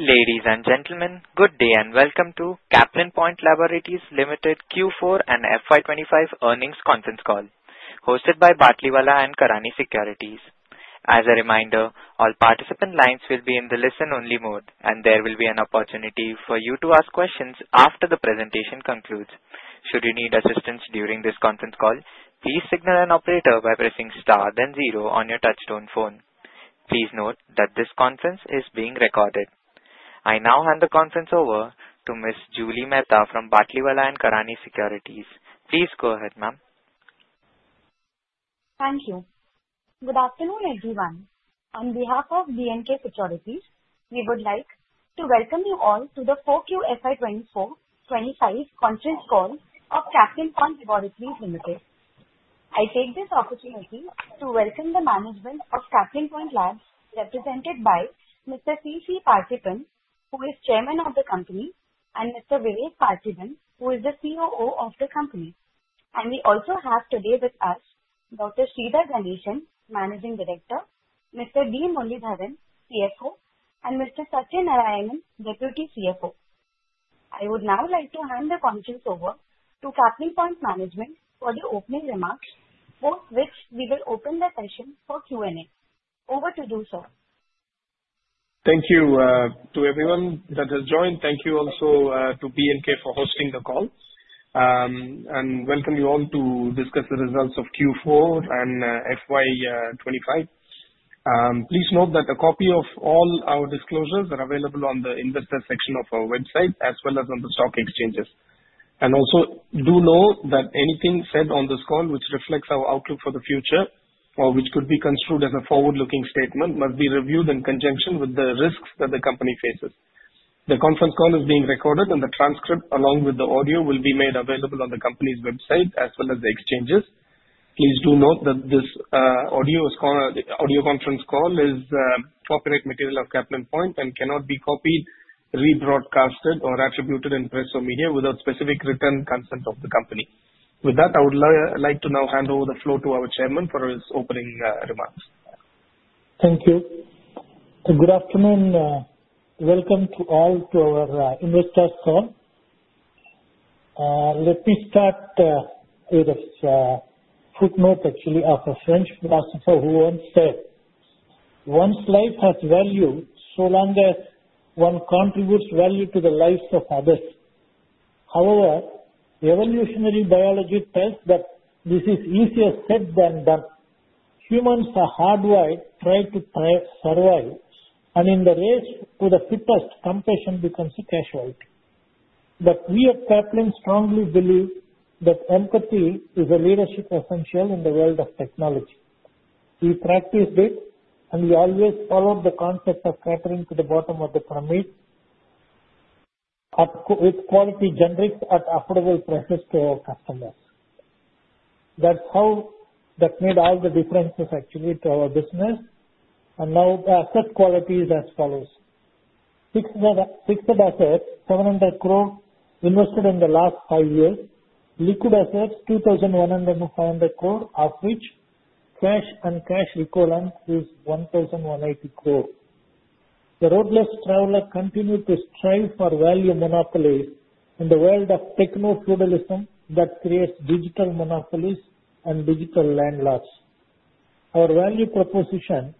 Ladies and gentlemen, good day and welcome to Caplin Point Laboratories Ltd Q4 and FY 2025 earnings conference call, hosted by Batlivala & Karani Securities. As a reminder, all participant lines will be in the listen-only mode, and there will be an opportunity for you to ask questions after the presentation concludes. Should you need assistance during this conference call, please signal an operator by pressing star, then zero on your touchstone phone. Please note that this conference is being recorded. I now hand the conference over to Miss Julie Mehta from Batlivala & Karani Securities. Please go ahead, ma'am. Thank you. Good afternoon, everyone. On behalf of B&K Securities, we would like to welcome you all to the 4Q FY 2024-FY 2025 conference call of Caplin Point Laboratories Ltd. I take this opportunity to welcome the management of Caplin Point Labs, represented by Mr. C.C. Paarthipan, who is Chairman of the company, and Mr. Vivek Paartheeban, who is the COO of the company. We also have today with us Dr. Sridhar Ganesan, Managing Director; Mr. D. Muralidharan, CFO; and Mr. Sachin Narayanan, Deputy CFO. I would now like to hand the conference over to Caplin Point Management for the opening remarks, post which we will open the session for Q&A. Over to you, sir. Thank you to everyone that has joined. Thank you also to B&K for hosting the call. Welcome you all to discuss the results of Q4 and FY 2025. Please note that a copy of all our disclosures are available on the investor section of our website, as well as on the stock exchanges. Also, do know that anything said on this call, which reflects our outlook for the future, or which could be construed as a forward-looking statement, must be reviewed in conjunction with the risks that the company faces. The conference call is being recorded, and the transcript, along with the audio, will be made available on the company's website, as well as the exchanges. Please do note that this audio conference call is copyright material of Caplin Point and cannot be copied, rebroadcasted, or attributed in press or media without specific written consent of the company. With that, I would like to now hand over the floor to our Chairman for his opening remarks. Thank you. Good afternoon. Welcome to all to our investor call. Let me start with a footnote, actually, of a French philosopher who once said, "Once life has value, so long as one contributes value to the lives of others." However, evolutionary biology tells that this is easier said than done. Humans are hardwired, try to survive, and in the race to the fittest, compassion becomes a casualty. We at Caplin strongly believe that empathy is a leadership essential in the world of technology. We practiced it, and we always followed the concept of catering to the bottom of the pyramid with quality generics at affordable prices to our customers. That is how that made all the differences, actually, to our business. Asset quality is as follows: fixed assets, 700 crore invested in the last five years; liquid assets, 2,500 crore, of which cash and cash equivalent is 1,180 crore. The roadless traveler continued to strive for value monopolies in the world of techno-feudalism that creates digital monopolies and digital landlords. Our value proposition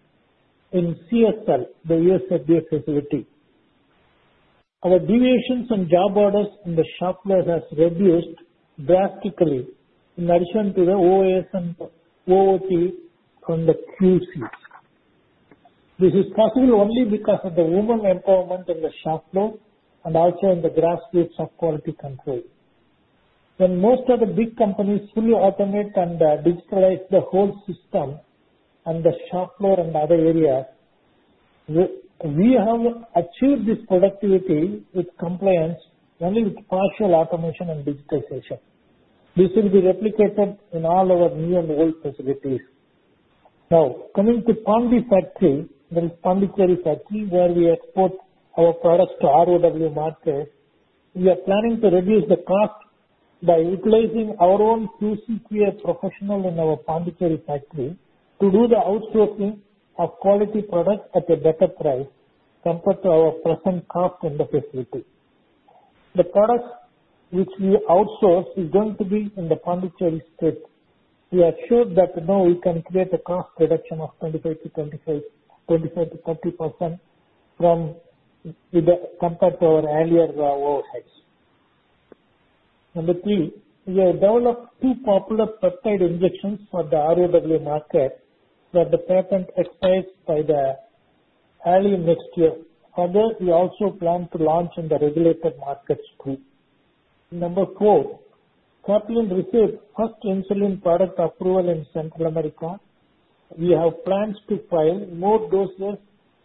in CSL, the USFDA facility. Our deviations in job orders in the shop floor have reduced drastically in addition to the OOS and OOP from the QC. This is possible only because of the woman empowerment in the shop floor and also in the grassroots of quality control. When most of the big companies fully automate and digitalize the whole system and the shop floor and other areas, we have achieved this productivity with compliance, only with partial automation and digitization. This will be replicated in all our new and old facilities. Now, coming to Pondi Factory, the Pondiherry Factory, where we export our products to the RoW market, we are planning to reduce the cost by utilizing our own QC professional in our Pondicherry Factory to do the outsourcing of quality products at a better price compared to our present cost in the facility. The products which we outsource are going to be in the Pondicherry State. We are sure that now we can create a cost reduction of 25%-30% compared to our earlier work. Number three, we have developed two popular peptide injections for the RoW market that the patent expires by early next year. Further, we also plan to launch in the regulated markets too. Number four, Caplin received first insulin product approval in Central America. We have plans to file more doses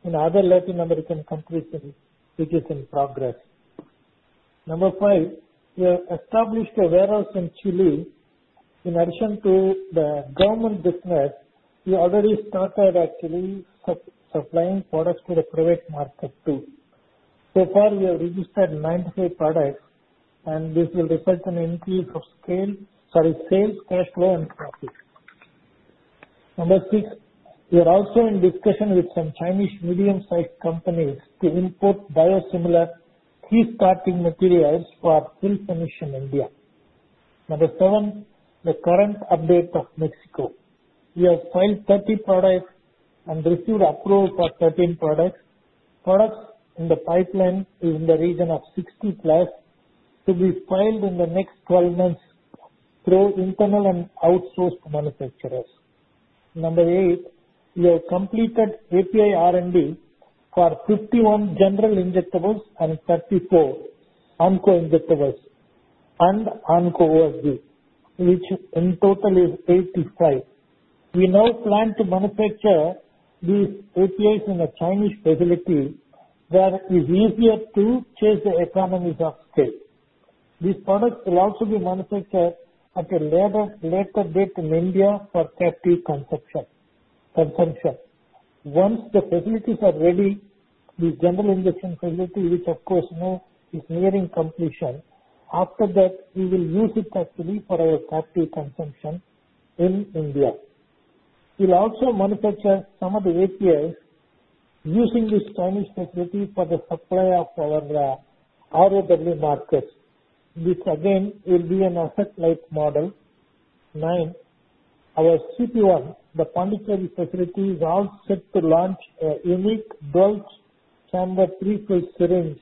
in other Latin American countries, which is in progress. Number five, we have established a warehouse in Chile. In addition to the government business, we already started, actually, supplying products to the private market too. So far, we have registered 95 products, and this will result in an increase of sales, cash flow, and profit. Number six, we are also in discussion with some Chinese medium-sized companies to import biosimilar key starting materials for full finish in India. Number seven, the current update of Mexico. We have filed 30 products and received approval for 13 products. Products in the pipeline are in the region of 60+ to be filed in the next 12 months through internal and outsourced manufacturers. Number eight, we have completed API R&D for 51 general injectables and 34 Onco injectables and Anco OSD, which in total is 85. We now plan to manufacture these APIs in a Chinese facility where it is easier to chase the economies of scale. These products will also be manufactured at a later date in India for captive consumption. Once the facilities are ready, the general injection facility, which, of course, now is nearing completion, after that, we will use it, actually, for our captive consumption in India. We'll also manufacture some of the APIs using this Chinese facility for the supply of our RoW markets. This, again, will be an asset-light model. Nine, our CP-1, the Pondicherry facility, is all set to launch a unique double-chamber pre-filled syringe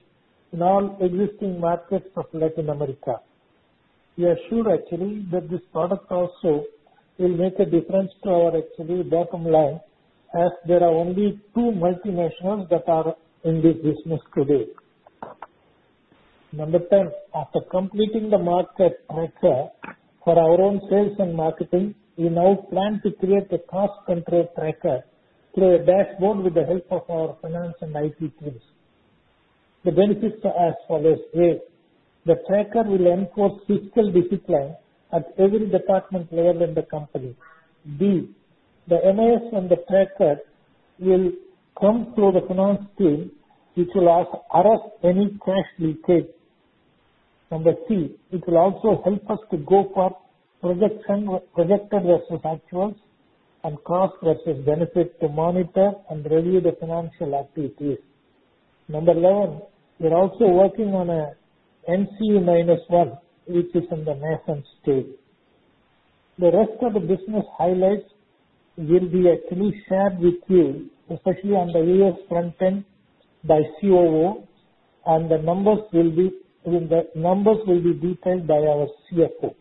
in all existing markets of Latin America. We are sure, actually, that this product also will make a difference to our, actually, bottom line, as there are only two multinationals that are in this business today. Number ten, after completing the market tracker for our own sales and marketing, we now plan to create a cost control tracker through a dashboard with the help of our finance and IT teams. The benefits are as follows. A, the tracker will enforce fiscal discipline at every department level in the company. B, the MIS on the tracker will come through the finance team, which will arrest any cash leakage. C, it will also help us to go for projected versus actuals and cost versus benefit to monitor and review the financial activities. Number eleven, we're also working on an NC-1, which is in the nation state. The rest of the business highlights will be, actually, shared with you, especially on the U.S. front end by COO, and the numbers will be detailed by our CFO.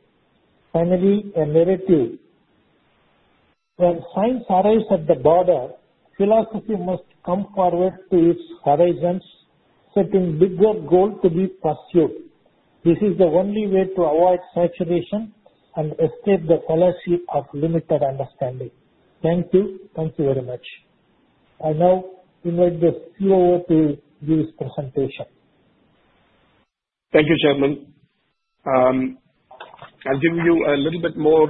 Finally, a narrative. When science arrives at the border, philosophy must come forward to its horizons, setting bigger goals to be pursued. This is the only way to avoid saturation and escape the fallacy of limited understanding. Thank you. Thank you very much. I now invite the COO to give his presentation. Thank you, Chairman. I'll give you a little bit more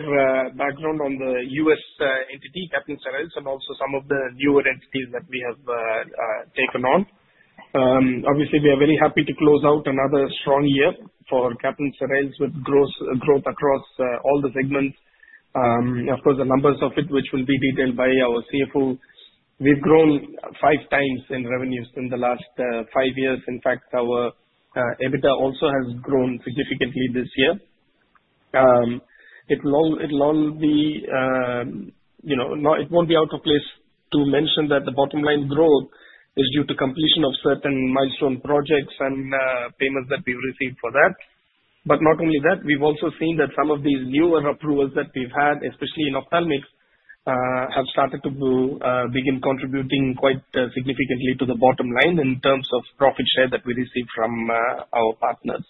background on the U.S. entity, Caplin Steriles, and also some of the newer entities that we have taken on. Obviously, we are very happy to close out another strong year for Caplin Steriles with growth across all the segments. Of course, the numbers of it, which will be detailed by our CFO, we've grown 5x in revenues in the last five years. In fact, our EBITDA also has grown significantly this year. It will not be out of place to mention that the bottom line growth is due to completion of certain milestone projects and payments that we've received for that. Not only that, we've also seen that some of these newer approvals that we've had, especially in ophthalmics, have started to begin contributing quite significantly to the bottom line in terms of profit share that we receive from our partners.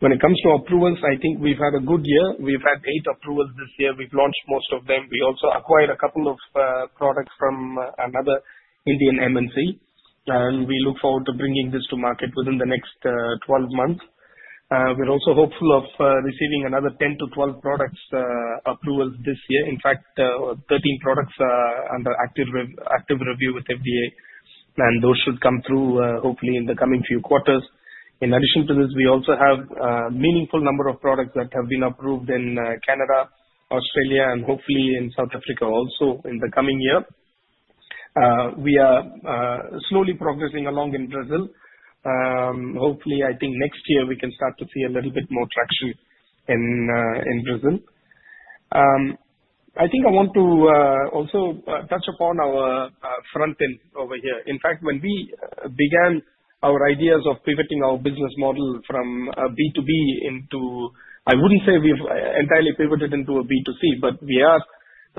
When it comes to approvals, I think we've had a good year. We've had eight approvals this year. We've launched most of them. We also acquired a couple of products from another Indian MNC, and we look forward to bringing this to market within the next 12 months. We're also hopeful of receiving another 10-12 product approvals this year. In fact, 13 products are under active review with FDA, and those should come through, hopefully, in the coming few quarters. In addition to this, we also have a meaningful number of products that have been approved in Canada, Australia, and hopefully in South Africa also in the coming year. We are slowly progressing along in Brazil. Hopefully, I think next year we can start to see a little bit more traction in Brazil. I think I want to also touch upon our front end over here. In fact, when we began our ideas of pivoting our business model from B2B into, I would not say we have entirely pivoted into a B2C, but we are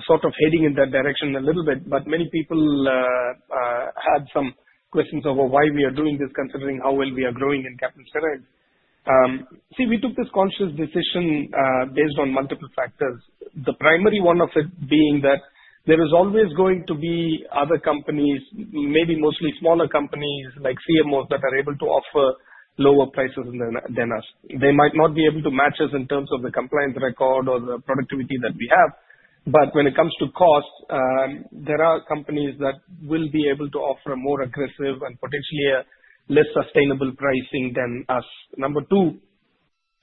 sort of heading in that direction a little bit. Many people had some questions over why we are doing this, considering how well we are growing in Caplin Steriles. See, we took this conscious decision based on multiple factors. The primary one of it being that there is always going to be other companies, maybe mostly smaller companies like CMOs, that are able to offer lower prices than us. They might not be able to match us in terms of the compliance record or the productivity that we have. When it comes to cost, there are companies that will be able to offer a more aggressive and potentially a less sustainable pricing than us. Number two,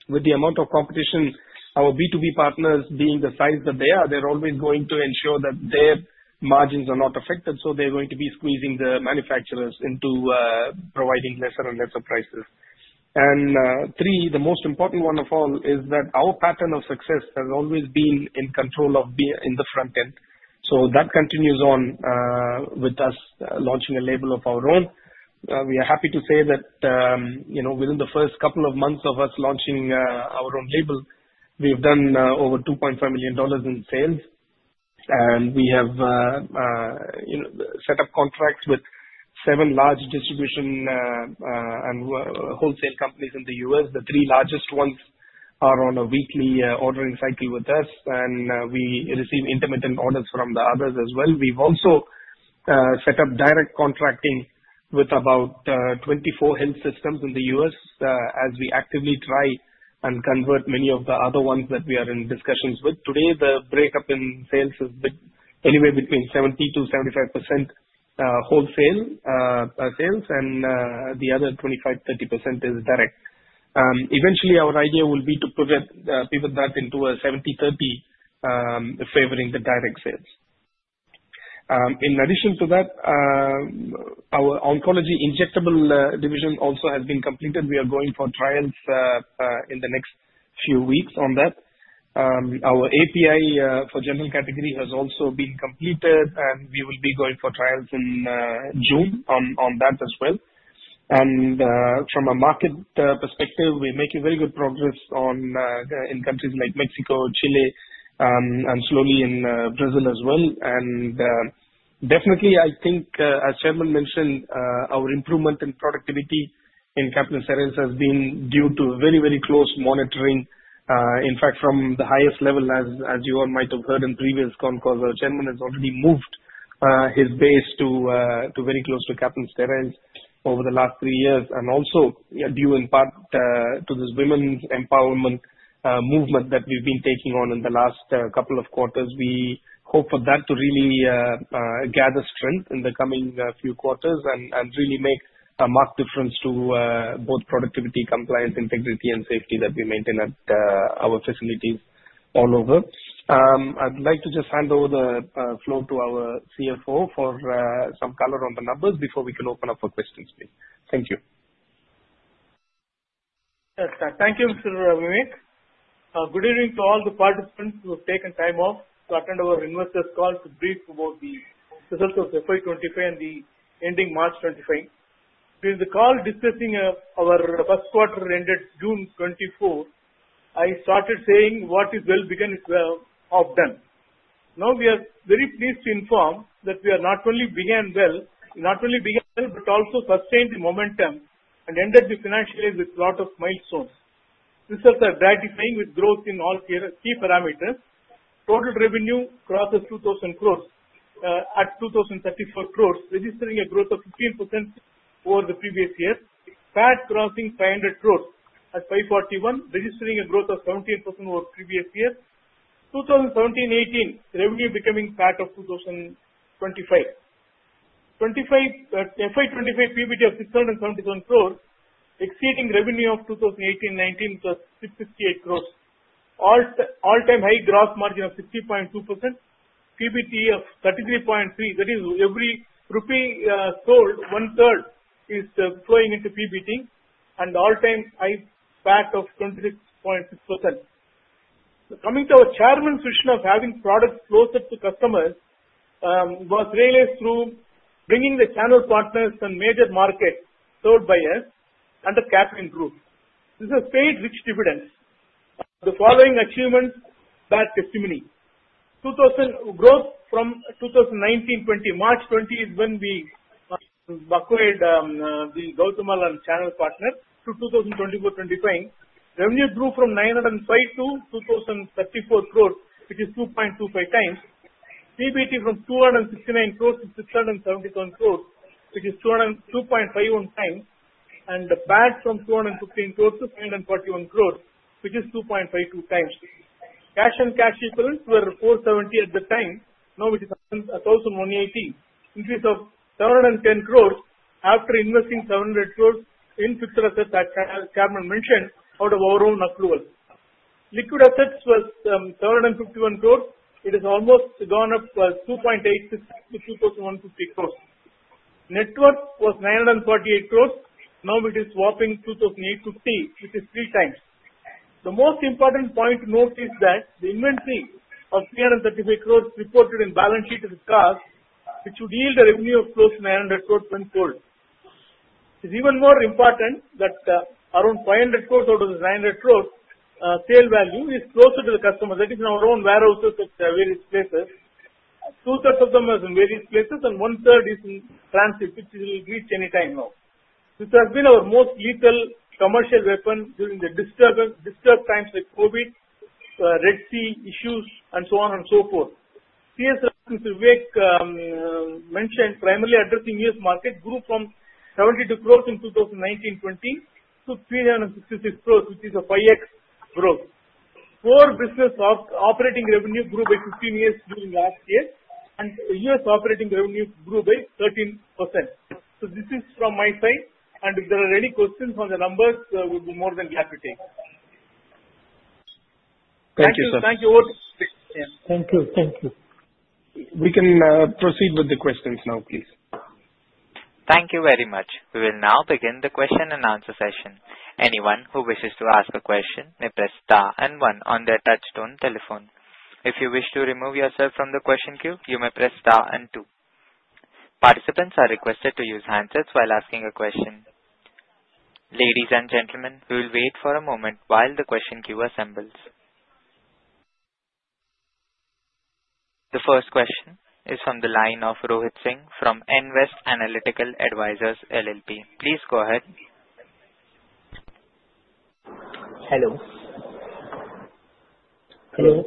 with the amount of competition, our B2B partners, being the size that they are, they're always going to ensure that their margins are not affected. They are going to be squeezing the manufacturers into providing lesser and lesser prices. Three, the most important one of all is that our pattern of success has always been in control of being in the front end. That continues on with us launching a label of our own. We are happy to say that within the first couple of months of us launching our own label, we've done over $2.5 million in sales. We have set up contracts with seven large distribution and wholesale companies in the U.S. The three largest ones are on a weekly ordering cycle with us, and we receive intermittent orders from the others as well. We've also set up direct contracting with about 24 health systems in the U.S. as we actively try and convert many of the other ones that we are in discussions with. Today, the breakup in sales is anywhere between 70%-75% wholesale sales, and the other 25%-30% is direct. Eventually, our idea will be to pivot that into a 70/30 favoring the direct sales. In addition to that, our oncology injectable division also has been completed. We are going for trials in the next few weeks on that. Our API for general category has also been completed, and we will be going for trials in June on that as well. From a market perspective, we're making very good progress in countries like Mexico, Chile, and slowly in Brazil as well. I think, as Chairman mentioned, our improvement in productivity in Caplin Steriles has been due to very, very close monitoring. In fact, from the highest level, as you all might have heard in previous conclos, Chairman has already moved his base to very close to Caplin Steriles over the last three years. Due in part to this women's empowerment movement that we've been taking on in the last couple of quarters, we hope for that to really gather strength in the coming few quarters and really make a marked difference to both productivity, compliance, integrity, and safety that we maintain at our facilities all over. I'd like to just hand over the floor to our CFO for some color on the numbers before we can open up for questions, please. Thank you. Thank you, Mr. Vivek. Good evening to all the participants who have taken time off to attend our investors' call to brief about the results of FY 2025 and the ending March 2025. During the call discussing our first quarter ended June 2024, I started saying, "What is well begun, is well done." Now, we are very pleased to inform that we have not only begun well, but also sustained the momentum and ended the financial year with a lot of milestones. Results are gratifying with growth in all key parameters. Total revenue crosses 2,000 crore at 2,034 crore, registering a growth of 15% over the previous year, PAT crossing 500 crore at 541 crore, registering a growth of 17% over the previous year. 2017-2018 revenue becoming PAT of 2,025. FY 2025 PBT of 677 crore, exceeding revenue of 2018-2019 plus 658 crore. All-time high gross margin of 60.2%, PBT of 33.3%. That is, every rupee sold, 1/3 is flowing into PBT and all-time high PAT of 26.6%. Coming to our Chairman's vision of having products closer to customers was realized through bringing the channel partners and major markets served by us under Caplin Group. This has paid rich dividends. The following achievements bear testimony. Growth from 2019-2020, March 2020 is when we acquired the Guatemalan channel partners to 2024-2025. Revenue grew from 905 crore-2,034 crore, which is 2.25x. PBT from 269 crore-671 crore, which is 2.51x, and PAT from 215 crore-341 crore, which is 2.52 times. Cash and cash equivalents were 470 crore at the time. Now it is 1,180 crore. Increase of 710 crore after investing 700 crore in fixed assets that Chairman mentioned out of our own approval. Liquid assets was 751 crore. It has almost gone up 2.86x to 2,150 crore. Net worth was 948 crore. Now it is whopping 2,850 crore, which is 3x. The most important point to note is that the inventory of 335 crore reported in balance sheet is a cost which would yield a revenue of close to 900 crore when sold. It's even more important that around 500 crore out of the 900 crore sale value is closer to the customers. That is, our own warehouses at various places. 2/3 of them are in various places, and 1/3 is in transit, which we will reach anytime now. This has been our most lethal commercial weapon during the disturbed times like COVID, Red Sea issues, and so on and so forth. CSL, Vivek mentioned primarily addressing U.S. market grew from 72 crore in 2019-2020 to 366 crore, which is a 5x growth. Core business operating revenue grew by 15% during last year, and U.S. operating revenue grew by 13%. This is from my side. If there are any questions on the numbers, we will be more than glad to take them. Thank you. We can proceed with the questions now, please. Thank you very much. We will now begin the question and answer session. Anyone who wishes to ask a question may press star and one on their touchstone telephone. If you wish to remove yourself from the question queue, you may press star and two. Participants are requested to use handsets while asking a question. Ladies and gentlemen, we will wait for a moment while the question queue assembles. The first question is from the line of Rohit Singh from Nvest Analytical Advisors LLP. Please go ahead. Hello. Hello.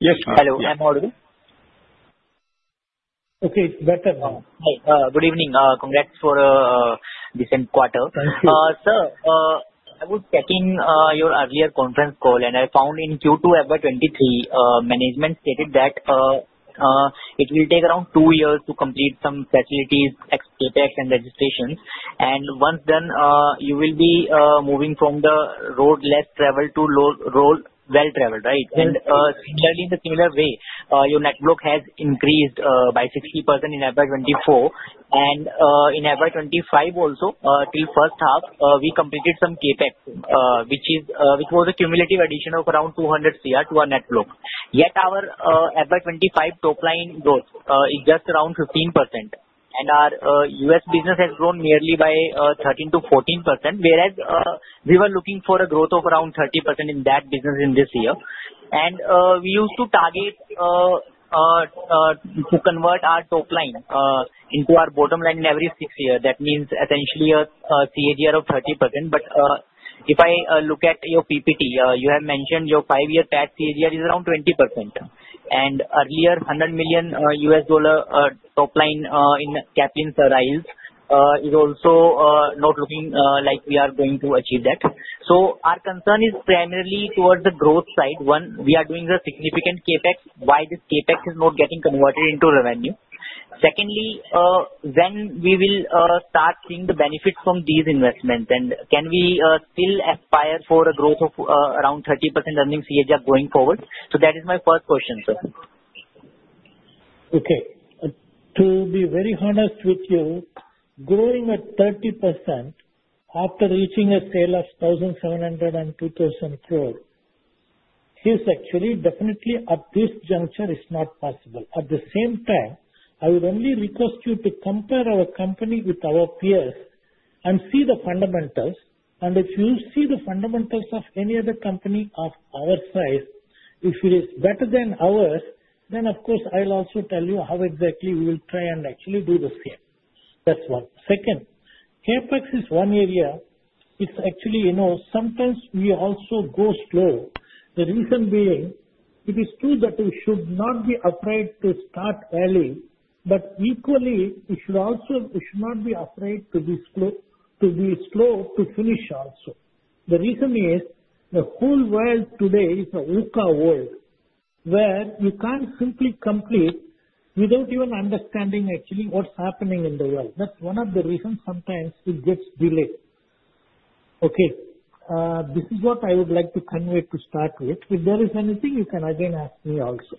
Yes, sir. Hello. I'm Rohit. Okay. Better now. Hi. Good evening. Congrats for a decent quarter. Thank you. Sir, I was checking your earlier conference call, and I found in Q2 of 2023, management stated that it will take around two years to complete some facilities, explainers, and registrations. Once done, you will be moving from the road less traveled to well traveled, right? Similarly, in the same way, your net worth has increased by 60% in 2024. In 2025 also, till the first half, we completed some CapEx, which was a cumulative addition of around 200 crore to our net worth. Yet our 2025 top line growth is just around 15%. Our U.S. business has grown nearly by 13-14%, whereas we were looking for a growth of around 30% in that business in this year. We used to target to convert our top line into our bottom line in every six years. That means essentially a CAGR of 30%. If I look at your PPT, you have mentioned your five-year tax CAGR is around 20%. Earlier, $100 million top line in Caplin Steriles is also not looking like we are going to achieve that. Our concern is primarily towards the growth side. One, we are doing a significant CapEx. Why is this CapEx not getting converted into revenue? Secondly, when will we start seeing the benefits from these investments, and can we still aspire for a growth of around 30% earnings CAGR going forward? That is my first question, sir. Okay. To be very honest with you, growing at 30% after reaching a sale of 1,700 crores-2,000 crores is actually definitely at this juncture not possible. At the same time, I would only request you to compare our company with our peers and see the fundamentals. If you see the fundamentals of any other company of our size, if it is better than ours, then of course, I'll also tell you how exactly we will try and actually do the same. That's one. Second, CapEx is one area. It's actually sometimes we also go slow. The reason being, it is true that we should not be afraid to start early, but equally, we should also not be afraid to be slow to finish also. The reason is the whole world today is a VUCA world where you can't simply complete without even understanding actually what's happening in the world. That's one of the reasons sometimes it gets delayed. Okay. This is what I would like to convey to start with. If there is anything, you can again ask me also.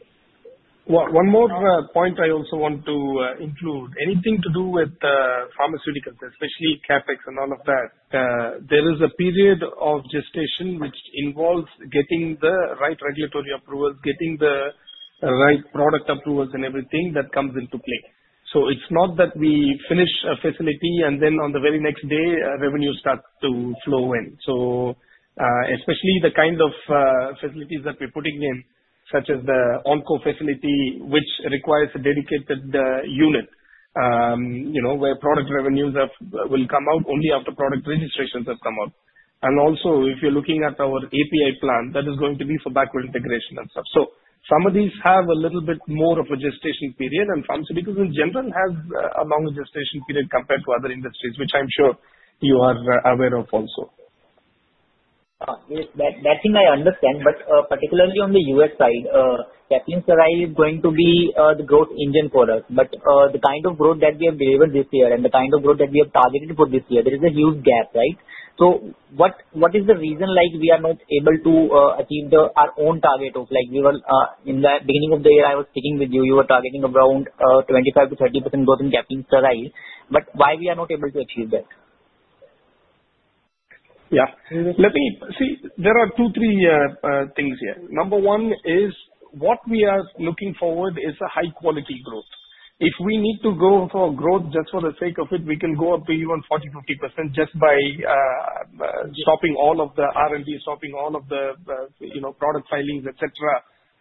One more point I also want to include. Anything to do with pharmaceuticals, especially CapEx and all of that, there is a period of gestation which involves getting the right regulatory approvals, getting the right product approvals, and everything that comes into play. It is not that we finish a facility and then on the very next day, revenue starts to flow in. Especially the kind of facilities that we are putting in, such as the Onco facility, which requires a dedicated unit where product revenues will come out only after product registrations have come out. Also, if you are looking at our API plant, that is going to be for backward integration and stuff. Some of these have a little bit more of a gestation period, and pharmaceuticals in general have a longer gestation period compared to other industries, which I am sure you are aware of also. That thing I understand, but particularly on the U.S. side, Caplin Steriles is going to be the growth engine for us. The kind of growth that we have delivered this year and the kind of growth that we have targeted for this year, there is a huge gap, right? What is the reason we are not able to achieve our own target of like we were in the beginning of the year I was speaking with you, you were targeting around 25%-30% growth in Caplin Steriles? Why are we not able to achieve that? Yeah. Let me see. There are two, three things here. Number one is what we are looking forward to is a high-quality growth. If we need to go for growth just for the sake of it, we can go up to even 40%-50% just by stopping all of the R&D, stopping all of the product filings, etc.,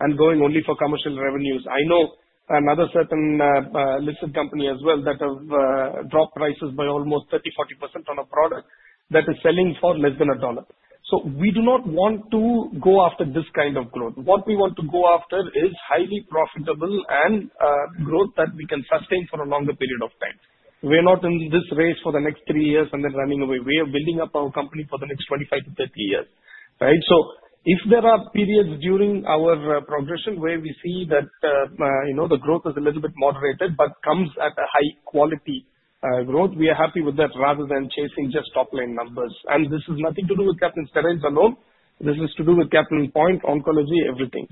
and going only for commercial revenues. I know another certain listed company as well that has dropped prices by almost 30%-40% on a product that is selling for less than a dollar. So we do not want to go after this kind of growth. What we want to go after is highly profitable and growth that we can sustain for a longer period of time. We're not in this race for the next three years and then running away. We are building up our company for the next 25 to 30 years, right? If there are periods during our progression where we see that the growth is a little bit moderated but comes at a high-quality growth, we are happy with that rather than chasing just top-line numbers. This has nothing to do with Caplin Steriles alone. This has to do with Caplin Point, Oncology, everything.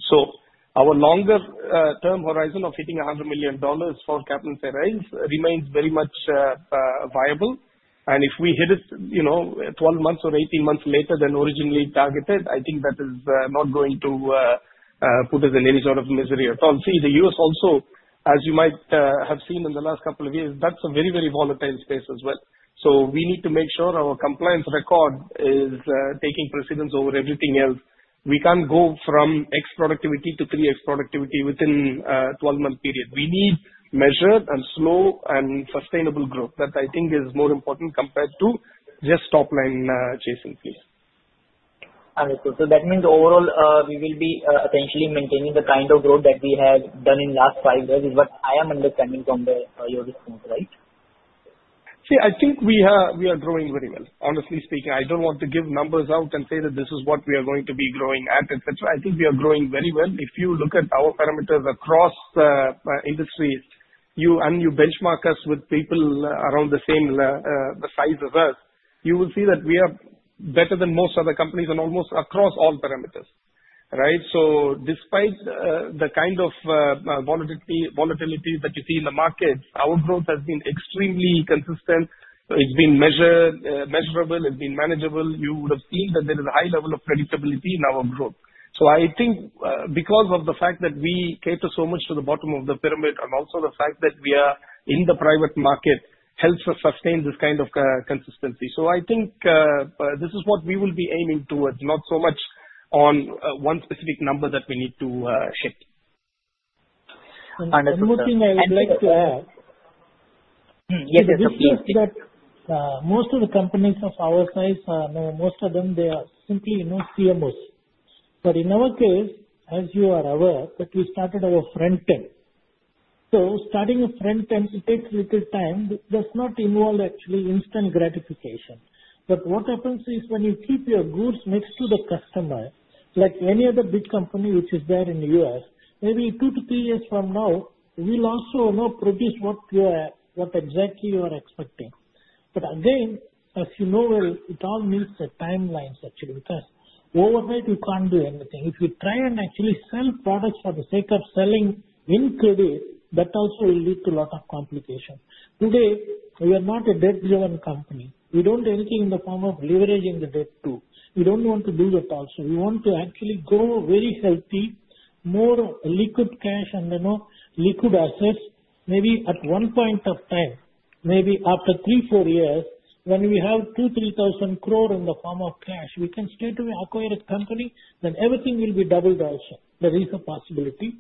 Our longer-term horizon of hitting $100 million for Caplin Steriles remains very much viable. If we hit it 12 months or 18 months later than originally targeted, I think that is not going to put us in any sort of misery at all. The U.S. also, as you might have seen in the last couple of years, is a very, very volatile space as well. We need to make sure our compliance record is taking precedence over everything else. We can't go from x productivity to 3x productivity within a 12-month period. We need measured and slow and sustainable growth. That I think is more important compared to just top-line chasing, please. That means overall, we will be essentially maintaining the kind of growth that we have done in the last five years, is what I am understanding from your response, right? See, I think we are growing very well. Honestly speaking, I do not want to give numbers out and say that this is what we are going to be growing at, etc. I think we are growing very well. If you look at our parameters across industries and you benchmark us with people around the same size as us, you will see that we are better than most other companies and almost across all parameters, right? Despite the kind of volatility that you see in the market, our growth has been extremely consistent. It has been measurable. It has been manageable. You would have seen that there is a high level of predictability in our growth. I think because of the fact that we cater so much to the bottom of the pyramid and also the fact that we are in the private market helps us sustain this kind of consistency. I think this is what we will be aiming towards, not so much on one specific number that we need to hit. One more thing I would like to add. Yes, it's a pleasure. Most of the companies of our size, most of them, they are simply CMOs. In our case, as you are aware, we started our front end. Starting a front end takes a little time. That does not involve, actually, instant gratification. What happens is when you keep your goods next to the customer, like any other big company which is there in the U.S., maybe two to three years from now, we will also produce what exactly you are expecting. Again, as you know, it all needs a timeline, actually, because overnight, you cannot do anything. If you try and actually sell products for the sake of selling in credit, that also will lead to a lot of complications. Today, we are not a debt-driven company. We do not do anything in the form of leveraging the debt too. We do not want to do that also. We want to actually go very healthy, more liquid cash and liquid assets, maybe at one point of time, maybe after three-four years, when we have 2,000 crore-3,000 crore in the form of cash, we can straight away acquire a company, then everything will be doubled also. There is a possibility.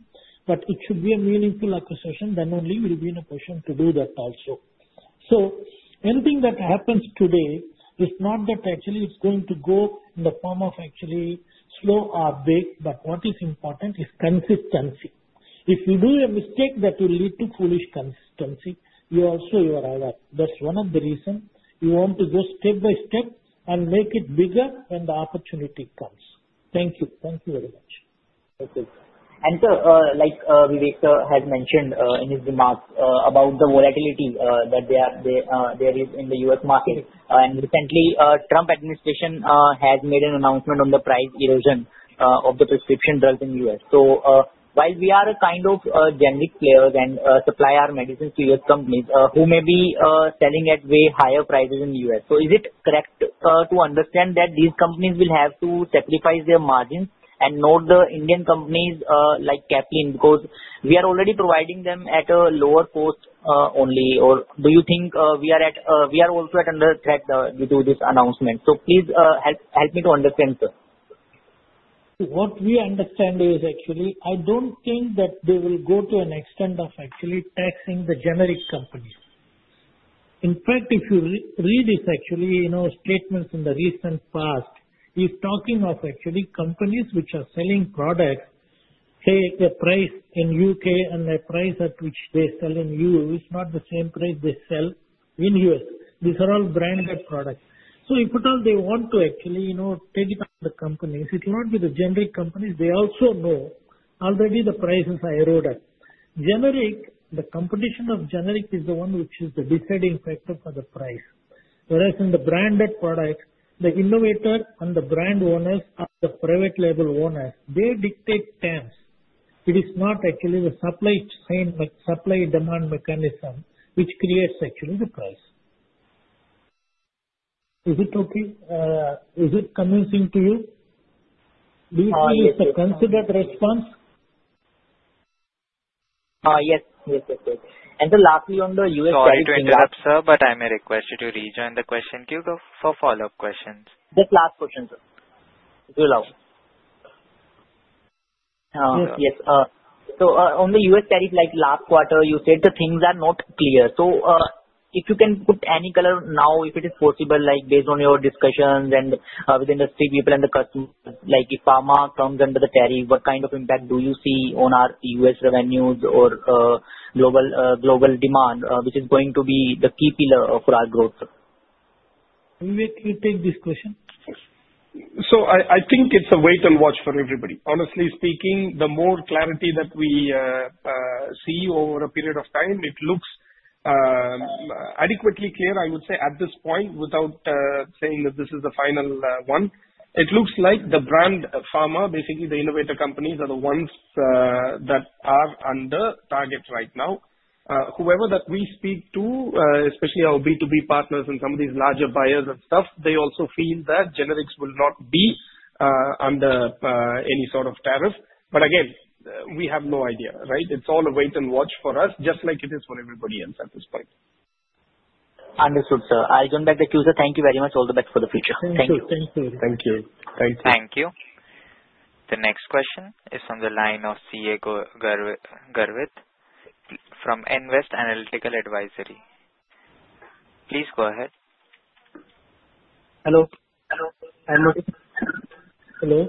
It should be a meaningful acquisition. Then only we'll be in a position to do that also. Anything that happens today is not that actually it's going to go in the form of actually slow or big, but what is important is consistency. If you do a mistake that will lead to foolish consistency, you also arrive. That's one of the reasons you want to go step by step and make it bigger when the opportunity comes. Thank you. Thank you very much. Okay. Sir, like Vivek has mentioned in his remarks about the volatility that there is in the U.S. market, and recently, the Trump administration has made an announcement on the price erosion of the prescription drugs in the U.S. While we are a kind of generic players and supply our medicines to U.S. companies who may be selling at way higher prices in the U.S., is it correct to understand that these companies will have to sacrifice their margins and not the Indian companies like Caplin because we are already providing them at a lower cost only, or do you think we are also at another threat due to this announcement? Please help me to understand, sir. What we understand is actually I don't think that they will go to an extent of actually taxing the generic companies. In fact, if you read this actually statements in the recent past, he's talking of actually companies which are selling products, say, the price in the U.K. and the price at which they're selling you is not the same price they sell in the U.S. These are all branded products. If at all they want to actually take it on the companies, it will not be the generic companies. They also know already the prices are eroded. Generic, the competition of generic is the one which is the deciding factor for the price. Whereas in the branded product, the innovator and the brand owners are the private label owners. They dictate terms. It is not actually the supply demand mechanism which creates actually the price. Is it okay? Is it convincing to you? Do you see it's a considered response? Yes. And then lastly, on the U.S. tariff. Sorry to interrupt, sir, but I may request you to rejoin the question queue for follow-up questions. Just last question, sir. If you'll allow. Yes, yes. On the U.S. tariff, last quarter, you said the things are not clear. If you can put any color now, if it is possible, based on your discussions and with industry people and the customers, if pharma comes under the tariff, what kind of impact do you see on our U.S. revenues or global demand, which is going to be the key pillar for our growth? Let me take this question. I think it's a wait and watch for everybody. Honestly speaking, the more clarity that we see over a period of time, it looks adequately clear, I would say, at this point, without saying that this is the final one. It looks like the brand pharma, basically the innovator companies, are the ones that are under target right now. Whoever that we speak to, especially our B2B partners and some of these larger buyers and stuff, they also feel that generics will not be under any sort of tariff. Again, we have no idea, right? It's all a wait and watch for us, just like it is for everybody else at this point. Understood, sir. I'll turn back the cue, sir. Thank you very much. All the best for the future. Thank you. Thank you. Thank you. Thank you. The next question is from the line of CA Garvit from Nvest Analytical Advisory. Please go ahead. Hello. Hello. Hello.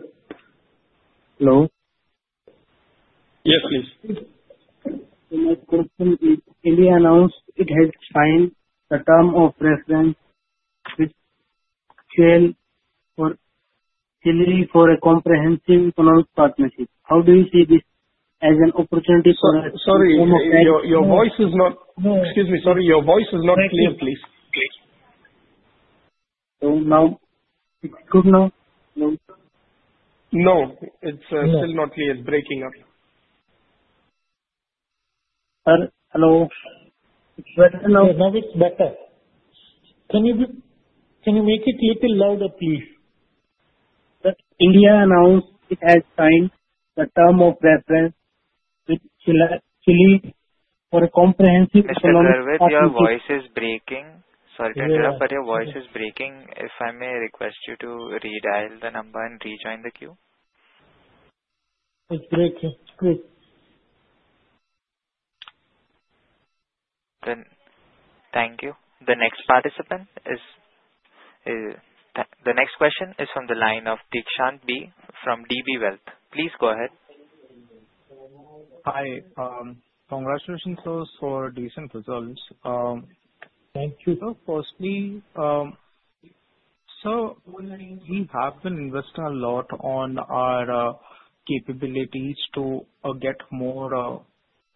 Hello. Yes, please. My question is, India announced it has signed a term of reference which shall be for a comprehensive economic partnership. How do you see this as an opportunity for a form of tariff? Sorry. Your voice is not—excuse me. Sorry. Your voice is not clear, please. Please. Is it good now? No. No. It's still not clear. It's breaking up. Sir, hello. It's better now. Now it's better. Can you make it a little louder, please? That India announced it has signed a term of reference which shall lead for a comprehensive economic partnership. Mr. Garvet, your voice is breaking. Sorry to interrupt, but your voice is breaking. If I may request you to redial the number and rejoin the queue? It's breaking. It's breaking. Thank you. The next participant is—the next question is from the line of Deekshan B from DB Wealth. Please go ahead. Hi. Congratulations also for decent results. Thank you. Firstly, sir, we have been investing a lot on our capabilities to get more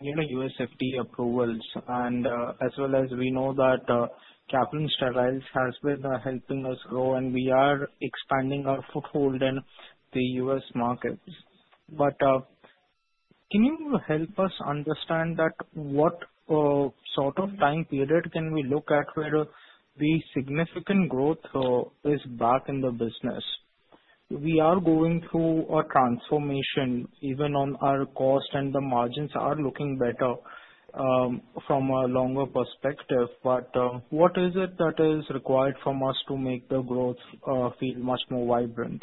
U.S. FDA approvals. As well as we know that Caplin Steriles has been helping us grow, and we are expanding our foothold in the U.S. markets. Can you help us understand what sort of time period can we look at where the significant growth is back in the business? We are going through a transformation. Even on our cost and the margins are looking better from a longer perspective. What is it that is required from us to make the growth feel much more vibrant?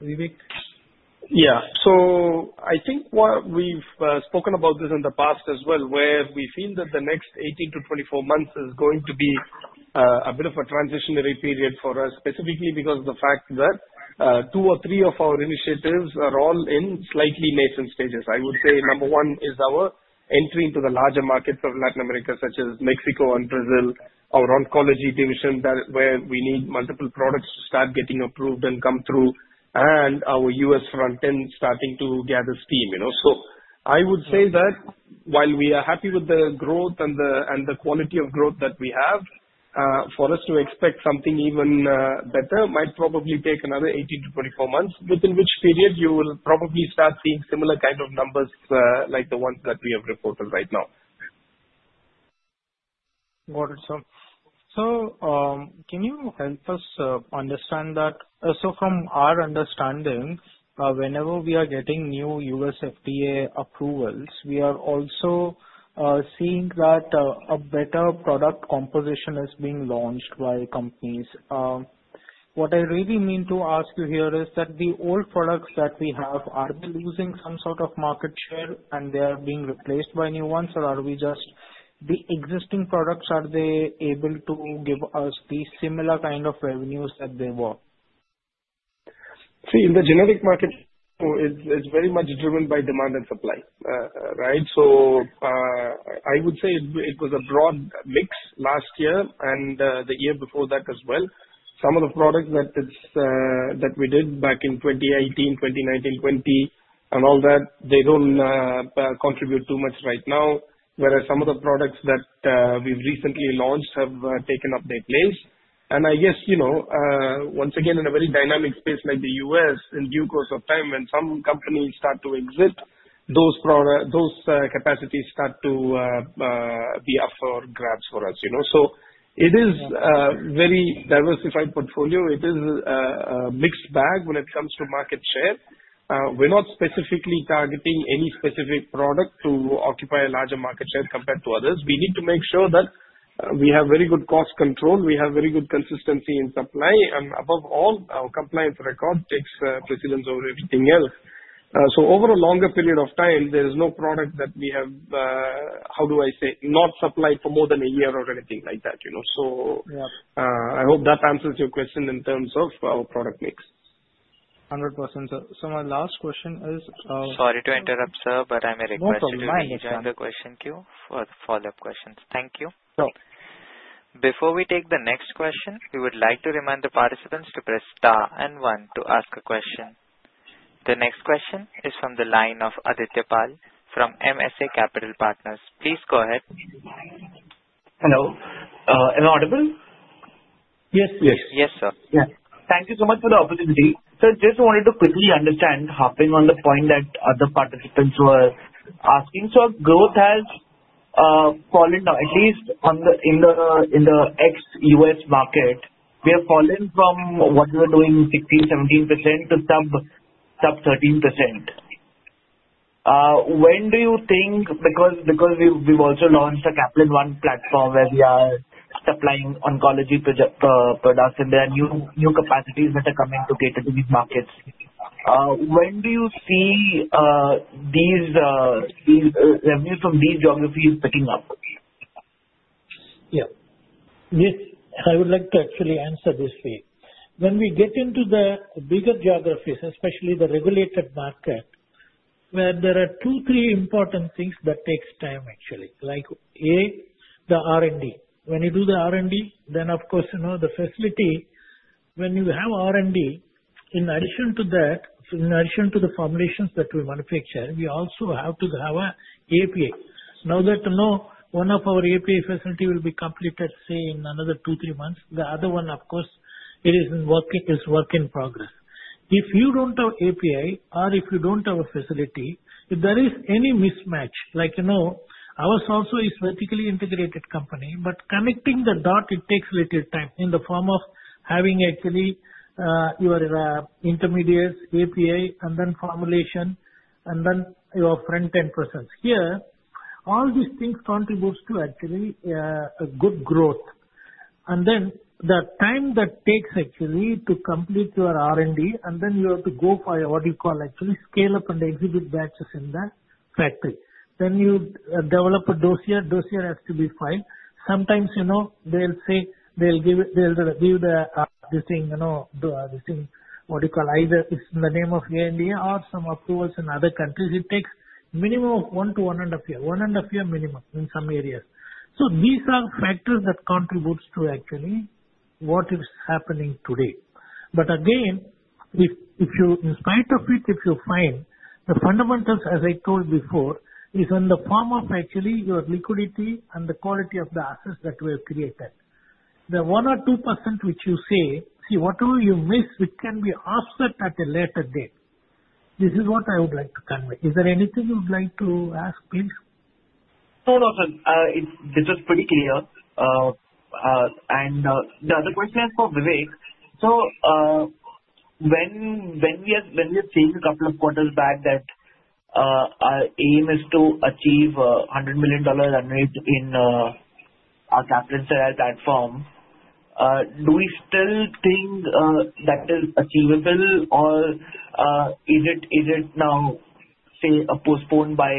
Vivek? Yeah. I think we've spoken about this in the past as well, where we feel that the next 18-24 months is going to be a bit of a transitionary period for us, specifically because of the fact that two or three of our initiatives are all in slightly nascent stages. I would say number one is our entry into the larger markets of Latin America, such as Mexico and Brazil, our oncology division, where we need multiple products to start getting approved and come through, and our U.S. front end starting to gather steam. I would say that while we are happy with the growth and the quality of growth that we have, for us to expect something even better might probably take another 18-24 months, within which period you will prob ably start seeing similar kind of numbers like the ones that we have reported right now. Got it, sir. Can you help us understand that? From our understanding, whenever we are getting new U.S. FDA approvals, we are also seeing that a better product composition is being launched by companies. What I really mean to ask you here is that the old products that we have, are they losing some sort of market share, and they are being replaced by new ones, or are we just—the existing products, are they able to give us the similar kind of revenues that they were? See, in the generic market, it's very much driven by demand and supply, right? I would say it was a broad mix last year and the year before that as well. Some of the products that we did back in 2018, 2019, 2020, and all that, they don't contribute too much right now, whereas some of the products that we've recently launched have taken up their place. I guess, once again, in a very dynamic space like the U.S., in due course of time, when some companies start to exit, those capacities start to be up for grabs for us. It is a very diversified portfolio. It is a mixed bag when it comes to market share. We're not specifically targeting any specific product to occupy a larger market share compared to others. We need to make sure that we have very good cost control. We have very good consistency in supply. Above all, our compliance record takes precedence over everything else. Over a longer period of time, there is no product that we have, how do I say, not supplied for more than a year or anything like that. I hope that answers your question in terms of our product mix. 100%, sir. My last question is— Sorry to interrupt, sir, but I may request you to rejoin the question queue for the follow-up questions. Thank you. Sure. Before we take the next question, we would like to remind the participants to press star and one to ask a question. The next question is from the line of Aditya Pal from MSA Capital Partners. Please go ahead. Hello. Is it audible? Yes, yes. Yes, sir. Yes. Thank you so much for the opportunity. Sir, just wanted to quickly understand, hopping on the point that other participants were asking. So our growth has fallen now, at least in the ex-U.S. market. We have fallen from what we were doing 16%-17% to sub-13%. When do you think—because we have also launched a Caplin One Platform where we are supplying oncology products and there are new capacities that are coming to cater to these markets—when do you see these revenues from these geographies picking up? Yeah. I would like to actually answer this way. When we get into the bigger geographies, especially the regulated market, where there are two, three important things that take time, actually, like A, the R&D. When you do the R&D, then of course the facility, when you have R&D, in addition to that, in addition to the formulations that we manufacture, we also have to have an API. Now that one of our API facilities will be completed, say, in another two-three months, the other one, of course, it is work in progress. If you don't have API or if you don't have a facility, if there is any mismatch, like ours also is vertically integrated company, but connecting the dot, it takes a little time in the form of having actually your intermediates, API, and then formulation, and then your front-end process. Here, all these things contribute to actually a good growth. The time that takes actually to complete your R&D, and then you have to go for what you call actually scale-up and exhibit batches in the factory. You develop a dossier. Dossier has to be filed. Sometimes they'll say they'll give the—they're saying what you call either it's in the name of India or some approvals in other countries. It takes a minimum of one to one and a half years, one and a half years minimum in some areas. These are factors that contribute to actually what is happening today. Again, in spite of it, if you find the fundamentals, as I told before, is in the form of actually your liquidity and the quality of the assets that we have created. The 1% or 2% which you say, "See, whatever you miss, it can be offset at a later date." This is what I would like to convey. Is there anything you'd like to ask, please? No, no, sir. This was pretty clear. The other question is for Vivek. When we have seen a couple of quarters back that our aim is to achieve $100 million in our Caplin Steriles platform, do we still think that is achievable, or is it now, say, postponed by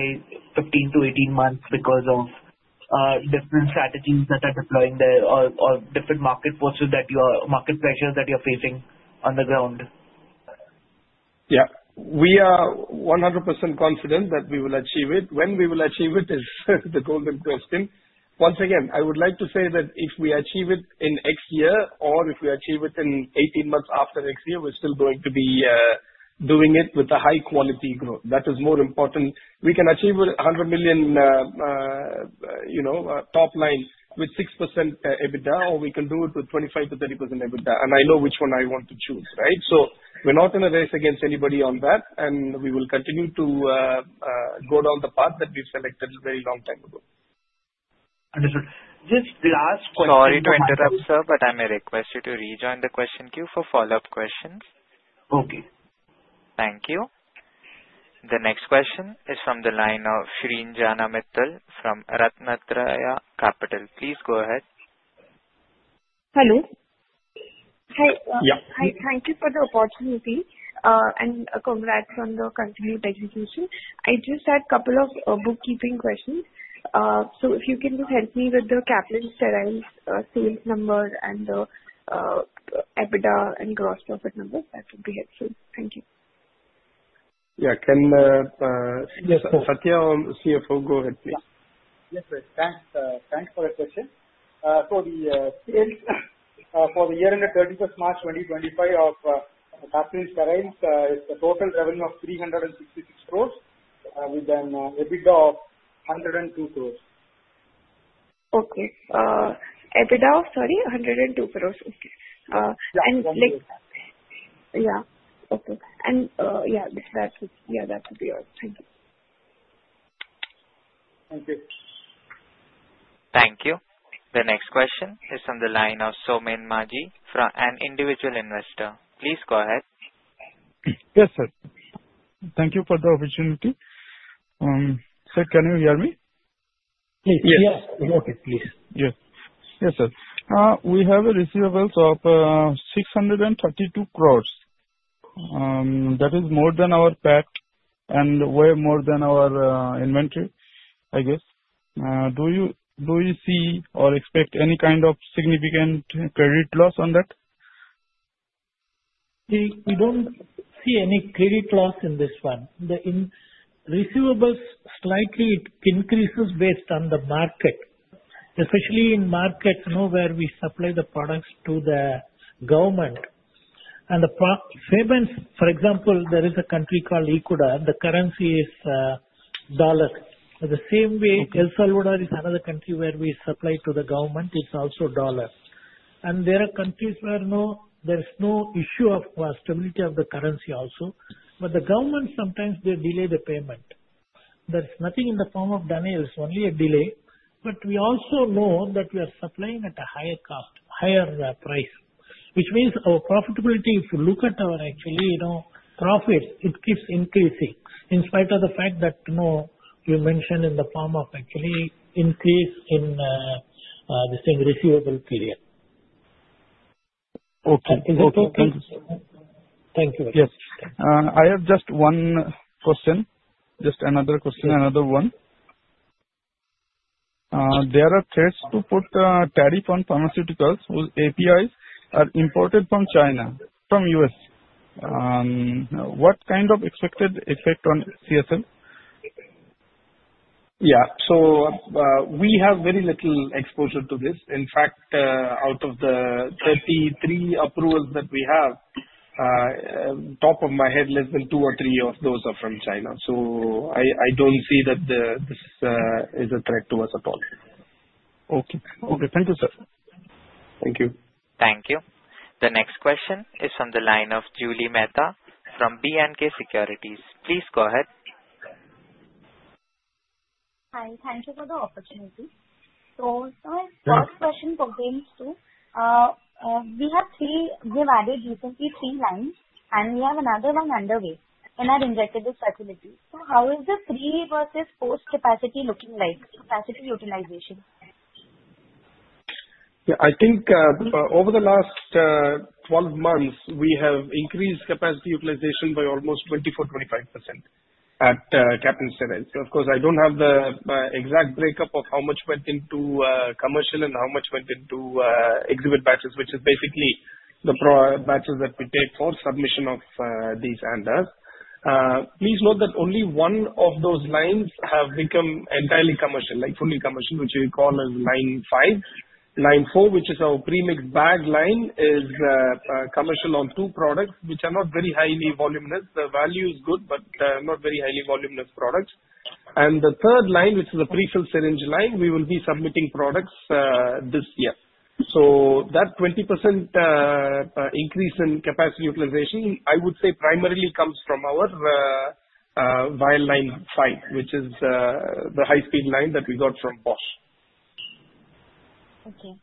15-18 months because of different strategies that are deploying there or different market forces that you are—market pressures that you're facing on the ground? Yeah. We are 100% confident that we will achieve it. When we will achieve it is the golden question. Once again, I would like to say that if we achieve it in X year or if we achieve it in 18 months after next year, we're still going to be doing it with a high-quality growth. That is more important. We can achieve a $100 million top line with 6% EBITDA, or we can do it with 25%-30% EBITDA. And I know which one I want to choose, right? We are not in a race against anybody on that, and we will continue to go down the path that we've selected a very long time ago. Understood. Just the last question. Sorry to interrupt, sir, but I may request you to rejoin the question queue for follow-up questions. Okay. Thank you. The next question is from the line of Shrinjana Mittal from RatnaTraya Capital. Please go ahead. Hello. Hi. Yeah. Hi. Thank you for the opportunity and congrats on the continued execution. I just had a couple of bookkeeping questions. If you can just help me with the Caplin Steriles number and the EBITDA and gross profit numbers, that would be helpful. Thank you. Yeah. Can Sathya, CFO, go ahead, please? Yes, sir. Thanks for the question. The sales for the year ended 31st March 2025 of Caplin Steriles is the total revenue of 366 crore with an EBITDA of 102 crores. Okay. EBITDA of, sorry, 102 crores. Okay. And like. Yeah. Yeah. Okay. And yeah, that would be all. Thank you. Thank you. Thank you. The next question is from the line of Somen Maji from an individual investor. Please go ahead. Yes, sir. Thank you for the opportunity. Sir, can you hear me? Yes. Okay. Please. Yes. Yes, sir. We have receivables of 632 crore. That is more than our PAT and way more than our inventory, I guess. Do you see or expect any kind of significant credit loss on that? We don't see any credit loss in this one. The receivables slightly increases based on the market, especially in markets where we supply the products to the government. The payments, for example, there is a country called Ecuador. The currency is dollar. The same way, El Salvador is another country where we supply to the government. It's also dollar. There are countries where there is no issue of stability of the currency also. The government, sometimes they delay the payment. There's nothing in the form of denials. Only a delay. We also know that we are supplying at a higher cost, higher price, which means our profitability, if you look at our actually profits, it keeps increasing in spite of the fact that you mentioned in the form of actually increase in the same receivable period. Okay. Thank you. Thank you. Yes. I have just one question. Just another question, another one. There are threats to put a tariff on pharmaceuticals whose APIs are imported from China, from U.S. What kind of expected effect on CSL? Yeah. We have very little exposure to this. In fact, out of the 33 approvals that we have, top of my head, less than two or three of those are from China. I do not see that this is a threat to us at all. Okay. Okay. Thank you, sir. Thank you. Thank you. The next question is from the line of Julie Mehta from B&K Securities. Please go ahead. Hi. Thank you for the opportunity. My first question pertains to we have added recently three lines, and we have another one underway in our injectable facility. How is the three versus post capacity looking like, capacity utilization? Yeah. I think over the last 12 months, we have increased capacity utilization by almost 24%-25% at Caplin Steriles. Of course, I do not have the exact breakup of how much went into commercial and how much went into exhibit batches, which is basically the batches that we take for submission of these ANDAs. Please note that only one of those lines has become entirely commercial, like fully commercial, which we call line-5. Line-4, which is our premixed bag line, is commercial on two products which are not very highly voluminous. The value is good, but not very highly voluminous products. The third line, which is a prefilled syringe line, we will be submitting products this year. That 20% increase in capacity utilization, I would say, primarily comes from our vial line five, which is the high-speed line that we got from Bosch. Okay.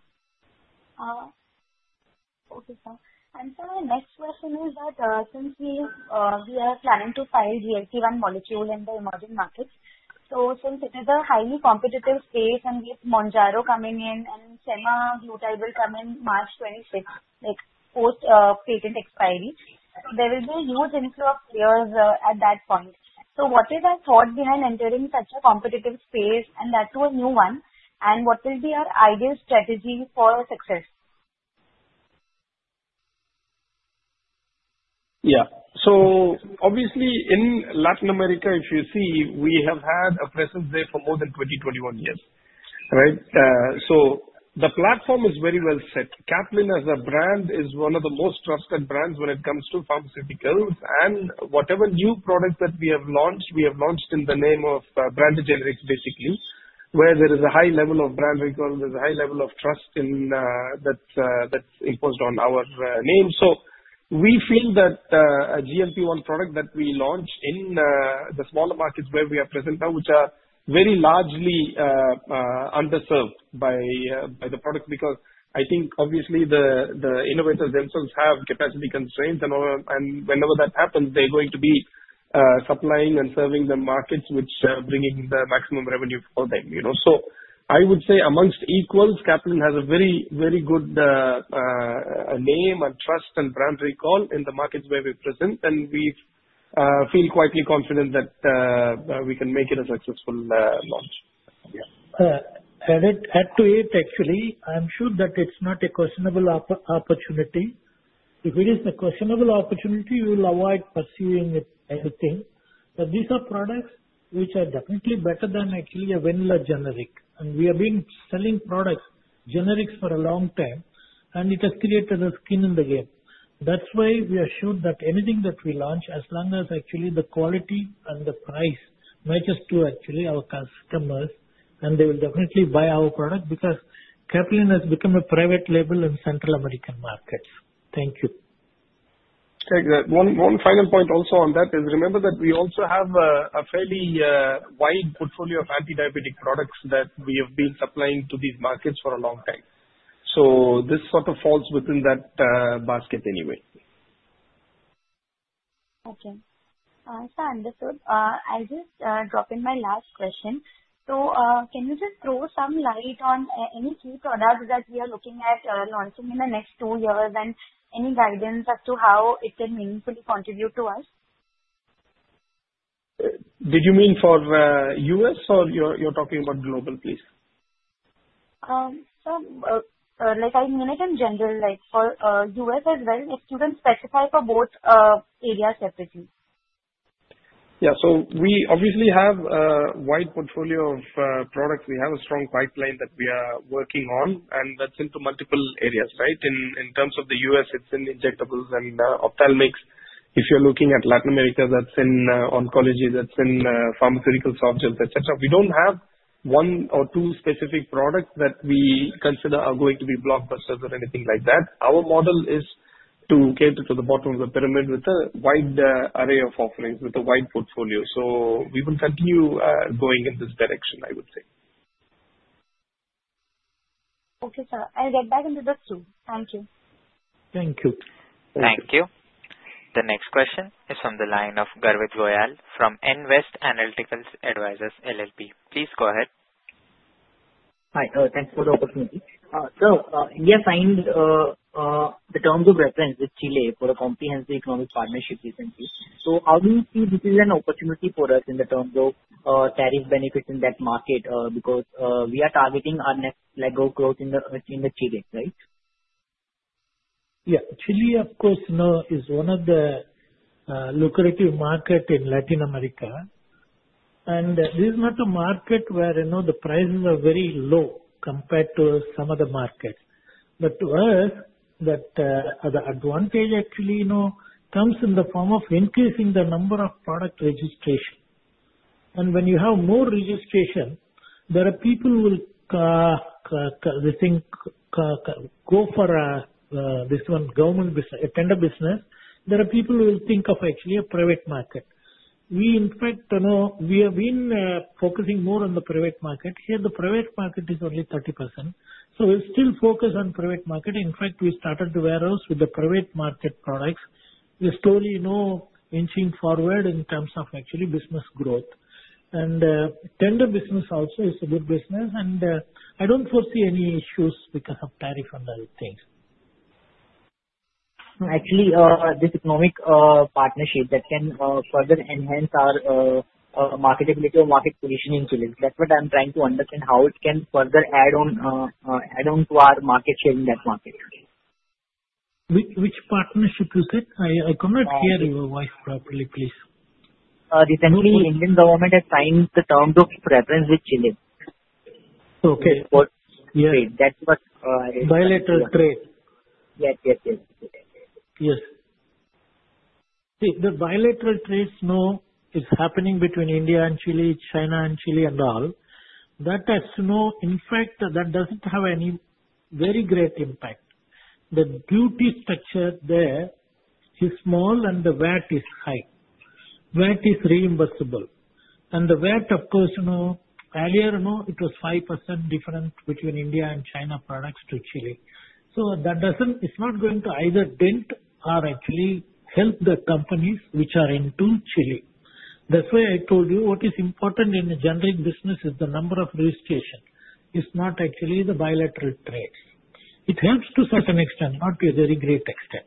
Okay, sir. My next question is that since we are planning to file GLP-1 molecule in the emerging markets, since it is a highly competitive space and with Mounjaro coming in and Semaglutide will come in March 2026, post patent expiry, there will be a huge influx of players at that point. What is our thought behind entering such a competitive space and that too a new one, and what will be our ideal strategy for success? Yeah. Obviously, in Latin America, if you see, we have had a presence there for more than 20-21 years, right? The platform is very well set. Caplin, as a brand, is one of the most trusted brands when it comes to pharmaceuticals. Whatever new product that we have launched, we have launched in the name of branded generics, basically, where there is a high level of brand recall, there is a high level of trust that is imposed on our name. We feel that a GLP-1 product that we launch in the smaller markets where we are present now, which are very largely underserved by the product, because I think, obviously, the innovators themselves have capacity constraints, and whenever that happens, they are going to be supplying and serving the markets which are bringing the maximum revenue for them. I would say amongst equals, Caplin has a very, very good name and trust and brand recall in the markets where we're present, and we feel quite confident that we can make it a successful launch. Added head to head, actually, I'm sure that it's not a questionable opportunity. If it is a questionable opportunity, you will avoid pursuing anything. These are products which are definitely better than actually a vanilla generic. We have been selling products, generics for a long time, and it has created a skin in the game. That's why we are sure that anything that we launch, as long as actually the quality and the price matches to actually our customers, they will definitely buy our product because Caplin has become a private label in Central American markets. Thank you. Exactly. One final point also on that is remember that we also have a fairly wide portfolio of antidiabetic products that we have been supplying to these markets for a long time. So this sort of falls within that basket anyway. Okay. So understood. I'll just drop in my last question. Can you just throw some light on any key products that we are looking at launching in the next two years and any guidance as to how it can meaningfully contribute to us? Did you mean for U.S. or you're talking about global, please? I mean it in general, for U.S. as well, if you can specify for both areas separately. Yeah. We obviously have a wide portfolio of products. We have a strong pipeline that we are working on, and that's into multiple areas, right? In terms of the U.S., it's in injectables and ophthalmics. If you're looking at Latin America, that's in oncology, that's in pharmaceutical software, etc. We don't have one or two specific products that we consider are going to be blockbusters or anything like that. Our model is to get to the bottom of the pyramid with a wide array of offerings, with a wide portfolio. We will continue going in this direction, I would say. Okay, sir. I'll get back into the flow. Thank you. Thank you. Thank you. The next question is from the line of Garvit Goyal from Nvest Analyticals Advisors LLP. Please go ahead. Hi. Thanks for the opportunity. Sir, we have signed the terms of reference with Chile for a comprehensive economic partnership recently. How do you see this as an opportunity for us in terms of tariff benefits in that market because we are targeting our next level of growth in Chile, right? Yeah. Chile, of course, is one of the lucrative markets in Latin America, and this is not a market where the prices are very low compared to some other markets. To us, the advantage actually comes in the form of increasing the number of product registrations. When you have more registrations, there are people who will go for this one government tender business. There are people who will think of actually a private market. In fact, we have been focusing more on the private market. Here, the private market is only 30%. We'll still focus on private market. In fact, we started the warehouse with the private market products. We're slowly inching forward in terms of actually business growth. Tender business also is a good business, and I don't foresee any issues because of tariff and other things. Actually, this economic partnership that can further enhance our marketability or market positioning to it. That is what I am trying to understand, how it can further add on to our market share in that market. Which partnership, you said? I cannot hear your voice properly, please. Recently, the Indian government has signed the terms of preference with Chile. Okay. That's what I— Bilateral trade. Yes. See, the bilateral trade now is happening between India and Chile, China and Chile and all. That now, in fact, that does not have any very great impact. The duty structure there is small, and the VAT is high. VAT is reimbursable. And the VAT, of course, earlier, it was 5% different between India and China products to Chile. It is not going to either dent or actually help the companies which are into Chile. That is why I told you what is important in the generic business is the number of registrations. It is not actually the bilateral trade. It helps to a certain extent, not to a very great extent.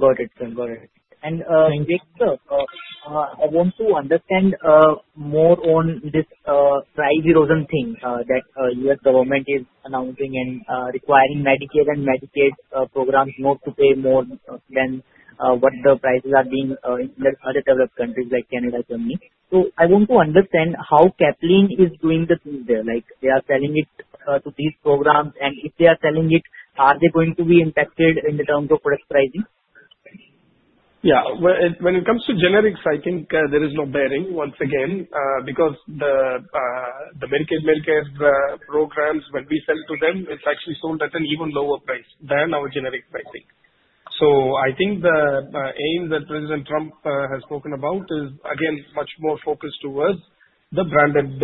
Got it. Got it. Sir, I want to understand more on this price erosion thing that the U.S. government is announcing and requiring Medicare and Medicaid programs not to pay more than what the prices are being in other developed countries like Canada and Germany. I want to understand how Caplin is doing the things there. They are selling it to these programs, and if they are selling it, are they going to be impacted in the terms of product pricing? Yeah. When it comes to generics, I think there is no bearing once again because the Medicaid, Medicare programs, when we sell to them, it's actually sold at an even lower price than our generic pricing. I think the aim that President Trump has spoken about is, again, much more focused towards the branded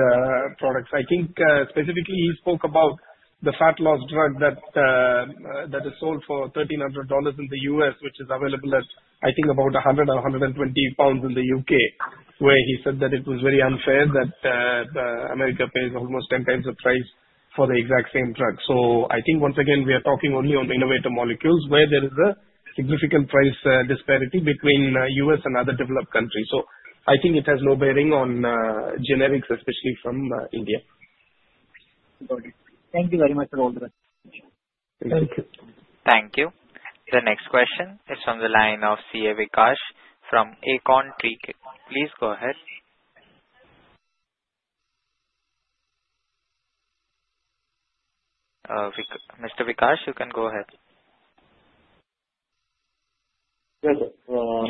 products. I think specifically he spoke about the fat loss drug that is sold for $1,300 in the U.S., which is available at, I think, about 100 or 120 pounds in the U.K., where he said that it was very unfair that America pays almost 10x the price for the exact same drug. I think once again, we are talking only on innovator molecules where there is a significant price disparity between the U.S. and other developed countries. I think it has no bearing on generics, especially from India. Got it. Thank you very much for all the questions. Thank you. Thank you. The next question is from the line of CA Vikash from Acorn Tree Kit. Please go ahead. Mr. Vikash, you can go ahead. Yes, sir.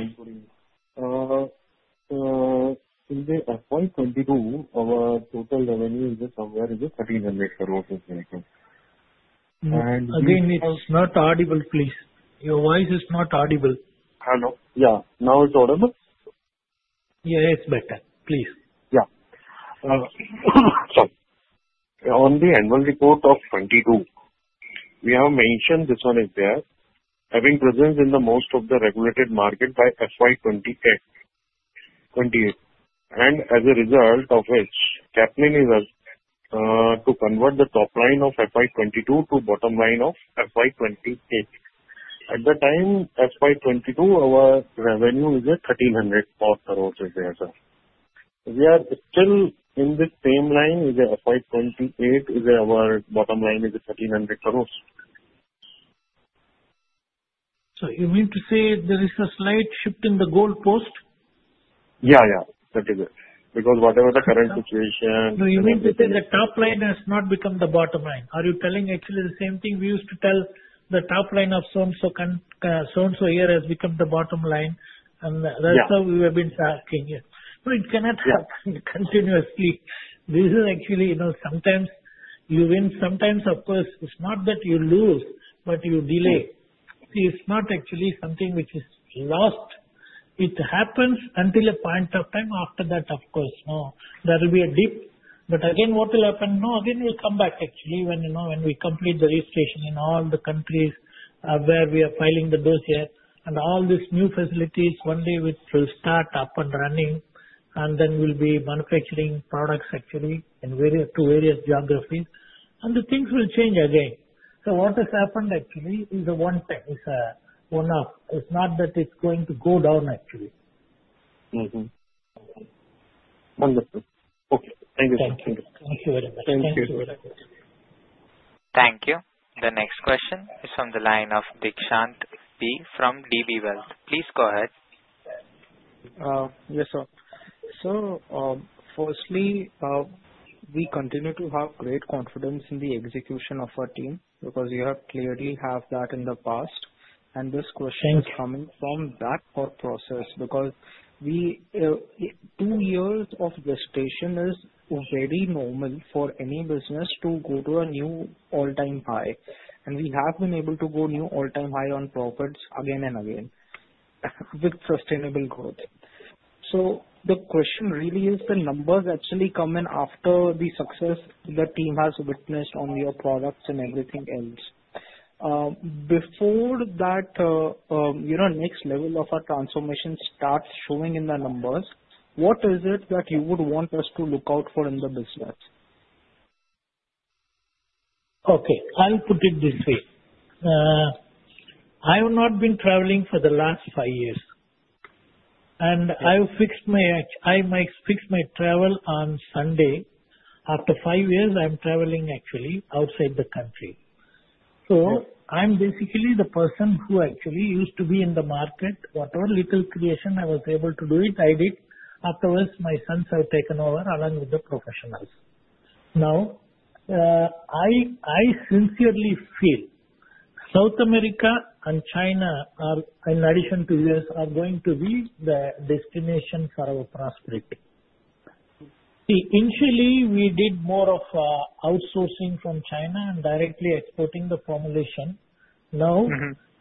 In 2022, our total revenue is somewhere in the 1,300 crore. Again, it is not audible, please. Your voice is not audible. Hello? Yeah. Now it's audible? Yeah. It's better. Please. Yeah. Sorry. On the annual report of 2022, we have mentioned this one is there, having presence in most of the regulated market by FY 2028. As a result of which, Caplin is to convert the top line of FY 2022 to bottom line of FY 2028. At the time, FY 2022, our revenue is 1,300 crore there, sir. We are still in the same line with FY 2028, our bottom line is 1,300 crore. You mean to say there is a slight shift in the goal post? Yeah. Yeah. That is it. Because whatever the current situation. No, you mean to say the top line has not become the bottom line. Are you telling actually the same thing we used to tell, the top line of so-and-so here has become the bottom line? That is how we have been talking. It cannot happen continuously. This is actually sometimes you win, sometimes, of course, it is not that you lose, but you delay. It is not actually something which is lost. It happens until a point of time. After that, of course, no. There will be a dip. Again, what will happen? No, again, we will come back actually when we complete the registration in all the countries where we are filing the dossier and all these new facilities. One day, we will start up and running, and then we will be manufacturing products actually in two various geographies. The things will change again. What has happened actually is a one-time thing. It's not that it's going to go down actually. Wonderful. Okay. Thank you. Thank you. Thank you very much. Thank you. Thank you. The next question is from the line of Deekshant B from DB Wealth. Please go ahead. Yes, sir. Firstly, we continue to have great confidence in the execution of our team because you have clearly had that in the past. This question is coming from that thought process because two years of gestation is very normal for any business to go to a new all-time high. We have been able to go new all-time high on profits again and again with sustainable growth. The question really is the numbers actually come in after the success the team has witnessed on your products and everything else. Before that next level of our transformation starts showing in the numbers, what is it that you would want us to look out for in the business? Okay. I'll put it this way. I have not been traveling for the last five years, and I have fixed my travel on Sunday. After five years, I'm traveling actually outside the country. I'm basically the person who actually used to be in the market. Whatever little creation I was able to do, I did. Afterwards, my sons have taken over along with the professionals. Now, I sincerely feel South America and China, in addition to the U.S., are going to be the destination for our prosperity. See, initially, we did more of outsourcing from China and directly exporting the formulation. Now,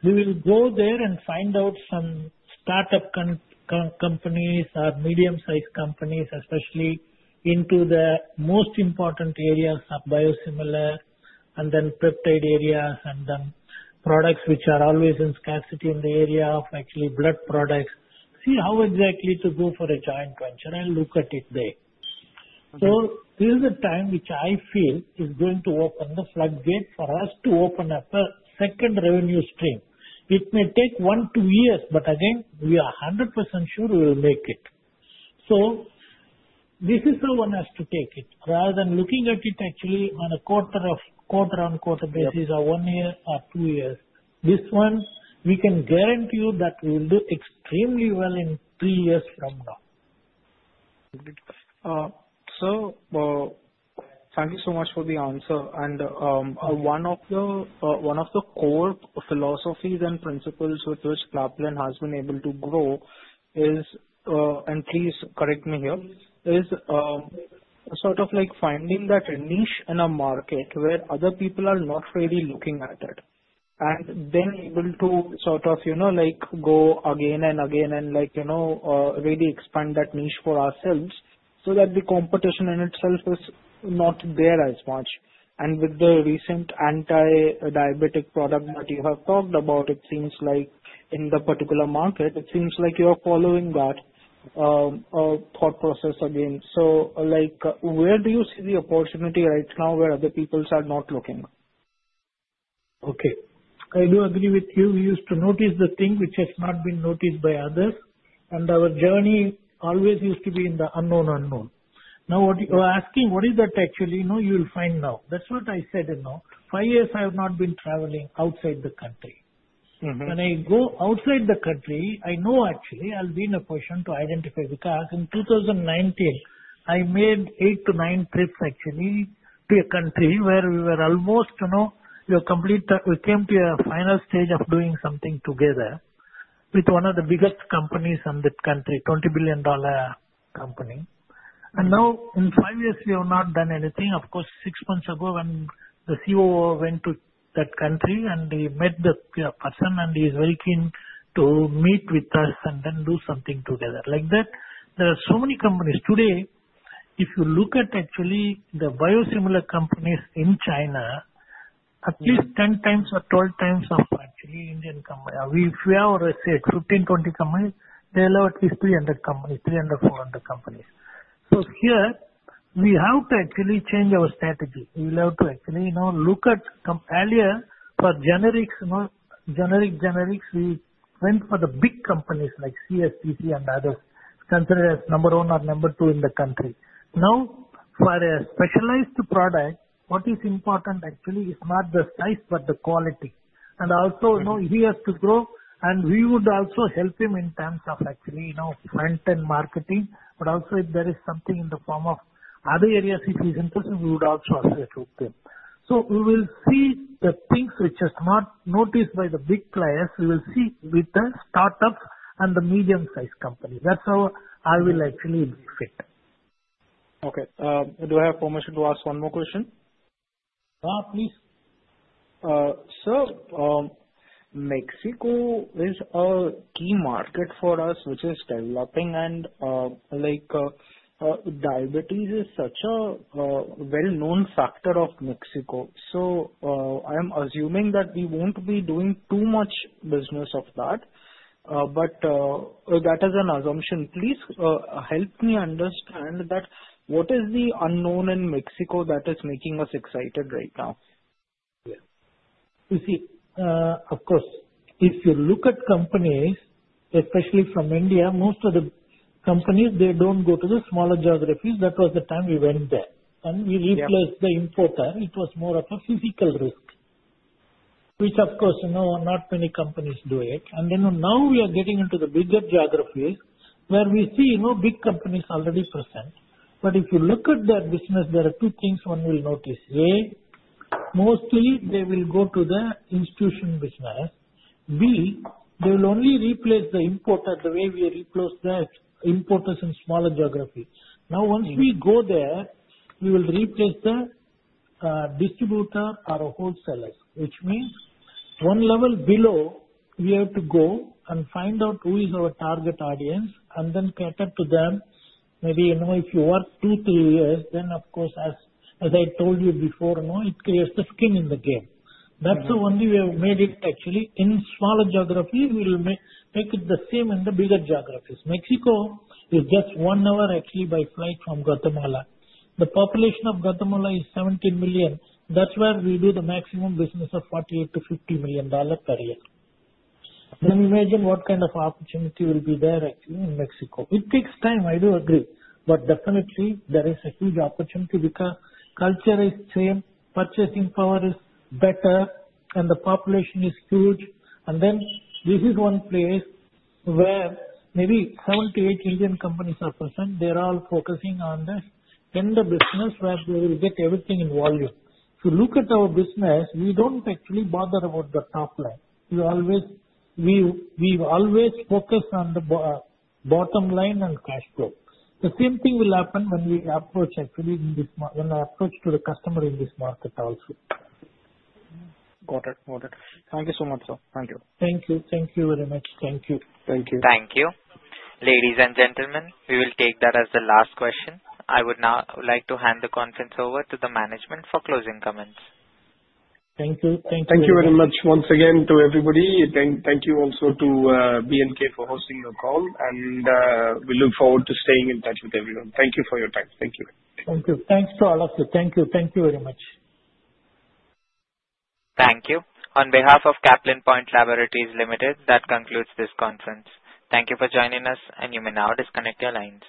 we will go there and find out some startup companies or medium-sized companies, especially into the most important areas of biosimilar and then peptide areas and then products which are always in scarcity in the area of actually blood products. See how exactly to go for a joint venture and look at it there. This is a time which I feel is going to open the floodgate for us to open up a second revenue stream. It may take one to two years, but again, we are 100% sure we will make it. This is how one has to take it. Rather than looking at it actually on a quarter-on-quarter basis or one year or two years, this one, we can guarantee you that we will do extremely well in three years from now. Thank you so much for the answer. One of the core philosophies and principles with which Caplin has been able to grow is, and please correct me here, is sort of finding that niche in a market where other people are not really looking at it, and then able to sort of go again and again and really expand that niche for ourselves so that the competition in itself is not there as much. With the recent anti-diabetic product that you have talked about, it seems like in the particular market, it seems like you are following that thought process again. Where do you see the opportunity right now where other people are not looking? Okay. I do agree with you. We used to notice the thing which has not been noticed by others, and our journey always used to be in the unknown unknown. Now, you're asking what is that actually, you will find now. That's what I said. Five years, I have not been traveling outside the country. When I go outside the country, I know actually I'll be in a position to identify because in 2019, I made eight to nine trips actually to a country where we were almost we came to a final stage of doing something together with one of the biggest companies in that country, $20 billion company. Now, in five years, we have not done anything. Of course, six months ago, when the COO went to that country and he met the person, and he is very keen to meet with us and then do something together. Like that, there are so many companies. Today, if you look at actually the biosimilar companies in China, at least 10x or 12x of actually Indian company. If we have 15, 20 companies, they allow at least 300 companies, 300-400 companies. Here, we have to actually change our strategy. We will have to actually look at earlier for generics. We went for the big companies like CSPC and others considered as number one or number two in the country. Now, for a specialized product, what is important actually is not the size, but the quality. Also, he has to grow, and we would also help him in terms of actually front-end marketing. If there is something in the form of other areas, if he's interested, we would also assist with him. We will see the things which are not noticed by the big players. We will see with the startups and the medium-sized companies. That's how I will actually fit. Okay. Do I have permission to ask one more question? Yeah, please. Sir, Mexico is a key market for us, which is developing, and diabetes is such a well-known factor of Mexico. I am assuming that we will not be doing too much business of that. That is an assumption. Please help me understand what is the unknown in Mexico that is making us excited right now? You see, of course, if you look at companies, especially from India, most of the companies do not go to the smaller geographies. That was the time we went there. We replaced the importer. It was more of a physical risk, which, of course, not many companies do. Now we are getting into the bigger geographies where we see big companies already present. If you look at their business, there are two things one will notice. A, mostly, they will go to the institutional business. B, they will only replace the importer the way we replace the importers in smaller geographies. Now, once we go there, we will replace the distributor or wholesalers, which means one level below, we have to go and find out who is our target audience and then cater to them. Maybe if you work two, three years, then of course, as I told you before, it creates the skin in the game. That's the only way we have made it actually. In smaller geographies, we will make it the same in the bigger geographies. Mexico is just one hour actually by flight from Guatemala. The population of Guatemala is 17 million. That's where we do the maximum business of $48 million-$50 million per year. Then imagine what kind of opportunity will be there actually in Mexico. It takes time. I do agree. There is definitely a huge opportunity because culture is the same, purchasing power is better, and the population is huge. This is one place where maybe seven to eight Indian companies are present. They are all focusing on the end of business where they will get everything in volume. If you look at our business, we do not actually bother about the top line. We always focus on the bottom line and cash flow. The same thing will happen when we approach, actually when I approach to the customer in this market also. Got it. Got it. Thank you so much, sir. Thank you. Thank you. Thank you very much. Thank you. Thank you. Thank you. Ladies and gentlemen, we will take that as the last question. I would now like to hand the conference over to the management for closing comments. Thank you. Thank you. Thank you very much once again to everybody. Thank you also to B&K for hosting the call. We look forward to staying in touch with everyone. Thank you for your time. Thank you. Thank you. Thanks to all of you. Thank you very much. Thank you. On behalf of Caplin Point Laboratories Ltd, that concludes this conference. Thank you for joining us, and you may now disconnect your lines.